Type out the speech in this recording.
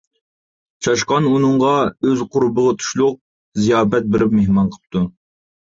چاشقان ئۇنىڭغا ئۆز قۇربىغا تۇشلۇق زىياپەت بېرىپ مېھمان قىپتۇ.